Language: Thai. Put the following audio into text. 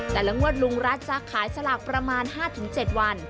แต่ละงวดลุงรัฐจะขายสลากประมาณ๕๗วัน